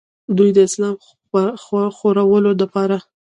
دوي د اسلام خورولو دپاره